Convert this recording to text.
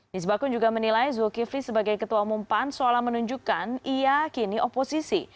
nisbakun juga menilai zulkifli sebagai ketua umum pan seolah menunjukkan ia kini oposisi